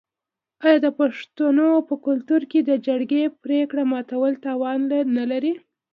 آیا د پښتنو په کلتور کې د جرګې پریکړه ماتول تاوان نلري؟